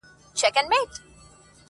• خو لکه سیوری بې اختیاره ځمه -